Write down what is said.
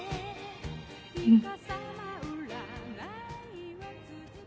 うん。